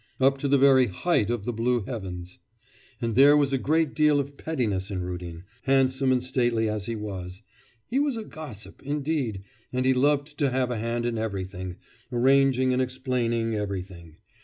up to the very height of the blue heavens! And there was a great deal of pettiness in Rudin, handsome and stately as he was; he was a gossip, indeed, and he loved to have a hand in everything, arranging and explaining everything.